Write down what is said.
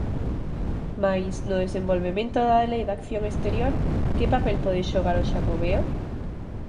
Mais, no desenvolvemento da Lei de Acción Exterior, que papel pode xogar o Xacobeo?